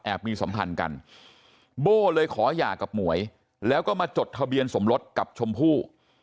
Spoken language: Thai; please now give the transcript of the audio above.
มีสัมพันธ์กันโบ้เลยขอหย่ากับหมวยแล้วก็มาจดทะเบียนสมรสกับชมพู่